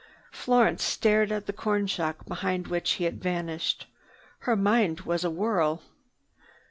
Florence stared at the corn shock behind which he had vanished. Her mind was in a whirl.